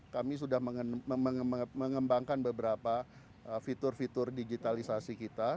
kami sudah mengembangkan beberapa fitur fitur digitalisasi kita